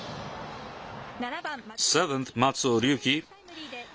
７番松尾龍樹。